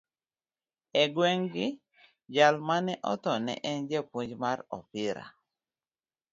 E gweng'gi, jal ma ne otho ne en japuonj mar opira